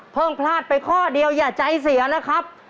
พลาดไปข้อเดียวอย่าใจเสียนะครับ